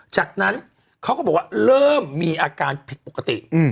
จากนั้นเขาก็บอกว่าเริ่มมีอาการผิดปกติ